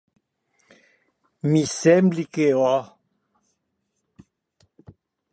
Me semble que òc.